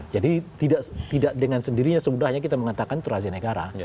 jadi tidak dengan sendirinya semudahnya kita mengatakan itu rahasia negara